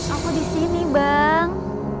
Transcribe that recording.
aku disini bang